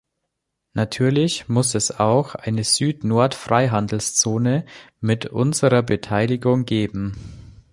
Natürlich muss es auch eine Süd-Nord-Freihandelszone mit unserer Beteiligung geben.